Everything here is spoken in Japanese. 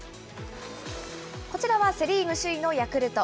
こちらはセ・リーグ首位のヤクルト。